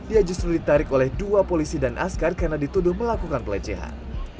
ia justru ditarik oleh dua polisi dan askar karena dituduh melakukan pelecehan